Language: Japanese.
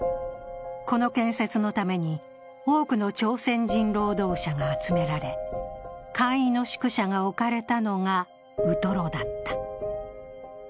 この建設のために多くの朝鮮人労働者が集められ、簡易の宿舎が置かれたのがウトロだった。